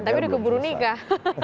tapi udah keburu nikah